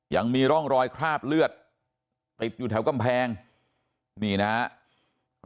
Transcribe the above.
ยังมีร่องรอยคราบเลือดติดอยู่แถวกำแพงนี่นะครับ